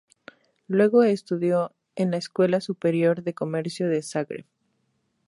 Luego estudió en la Escuela Superior de Comercio de Zagreb.